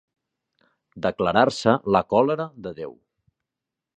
Declarar-se la còlera de Déu.